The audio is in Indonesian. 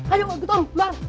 ayo ikut om keluar